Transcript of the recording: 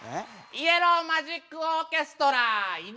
「イエローマジックオーケストラ移動は軽トラ」